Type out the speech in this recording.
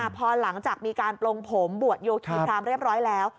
พอหลังจากมีการปลงผมบวชโยคีพรามเรียบร้อยแล้ว